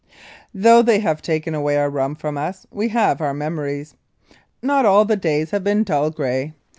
Though they have taken away our rum from us we have our memories. Not all the days have been dull gray.